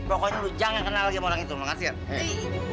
pokoknya lo jangan kenal lagi sama orang itu lo ngerti nggak